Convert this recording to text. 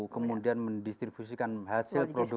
kemudian mendistribusikan hasil produksinya ini